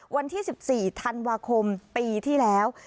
วันที่๑๔ธันวาคมปีที่แล้ว